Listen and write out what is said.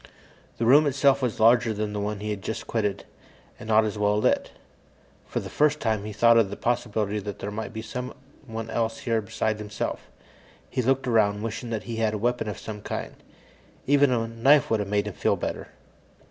The room itself was larger than the one he had just quitted, and not as well lit. For the first time, he thought of the possibility that there might be someone else here besides himself. He looked around, wishing that he had a weapon of some kind. Even a knife would have made him feel better.